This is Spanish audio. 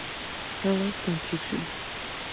Hellas Construction.